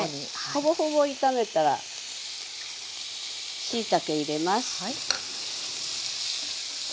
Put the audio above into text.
ほぼほぼ炒めたらしいたけ入れます。